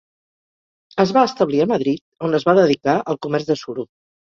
Es va establir a Madrid, on es va dedicar al comerç de suro.